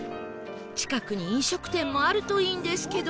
近くに飲食店もあるといいんですけど